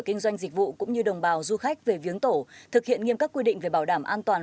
kinh doanh dịch vụ cũng như đồng bào du khách về viếng tổ thực hiện nghiêm các quy định về bảo đảm an toàn